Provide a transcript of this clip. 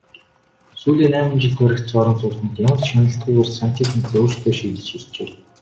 Сүүлийн найман жилд баригдсан орон сууцнууд ямар ч хяналтгүйгээр сантехникээ өөрсдөө шийдэж иржээ.